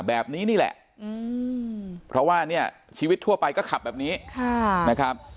แบบนี้นี่แหละเพราะว่าเนี่ยชีวิตทั่วไปก็ขับแบบนี้นะครับ